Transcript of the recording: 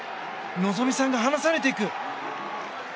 希実さんが離されていく。